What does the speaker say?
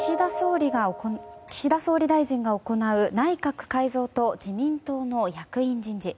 明日、岸田総理大臣が行う内閣改造と自民党の役員人事。